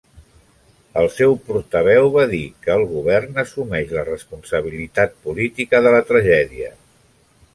El seu portaveu va dir que "el govern assumeix la responsabilitat política de la tragèdia".